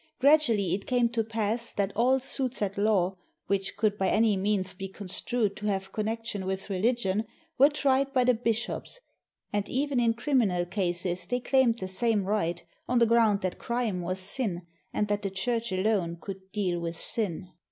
Gradu ally it came to pass that all suits at law, which could by any means be construed to have connection with religion, were tried by the bishops, and even in criminal cases they claimed the same right on the ground that crime was sin, and that the Church alone could deal with sin.